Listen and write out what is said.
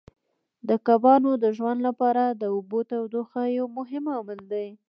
د کبانو د ژوند لپاره د اوبو تودوخه یو مهم عامل دی.